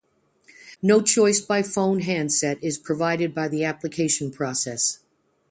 No choice of phone handset is provided by the application process.